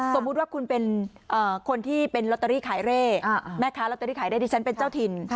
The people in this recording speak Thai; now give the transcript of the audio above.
สมมุติว่าคุณเป็นคนที่เป็นลอตเตอรี่ขายเร่แม่ค้าลอตเตอรี่ขายได้ดิฉันเป็นเจ้าถิ่น